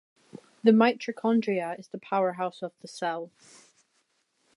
The mitochondria is the powerhouse of the cell.